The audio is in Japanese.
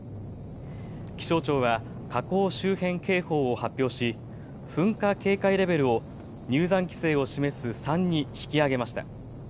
気象庁は火口周辺警報を発表し噴火警戒レベルを入山規制を示す３に引き上げました。